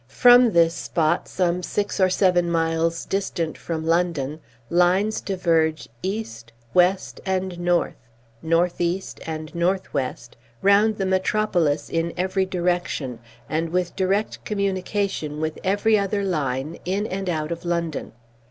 From this spot, some six or seven miles distant from London, lines diverge east, west, and north, north east, and north west, round the metropolis in every direction, and with direct communication with every other line in and out of London.